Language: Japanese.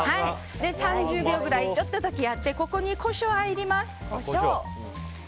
３０秒くらいちょっとだけやってここにコショウを入れます。